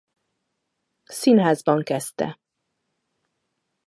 Színházban kezdte.